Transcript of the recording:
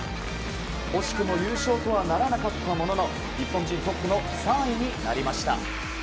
惜しくも優勝とはならなかったものの日本人トップの３位になりました。